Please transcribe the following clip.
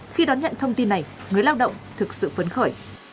khi đón nhận thông tin này người lao động thực sự phấn khởi